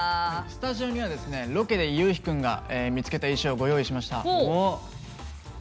スタジオにはロケでゆうひ君が見つけた石をご用意しました。